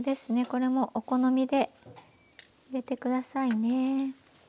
これもお好みで入れて下さいね。